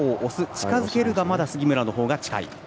近づけるがまだ杉村のほうが近い。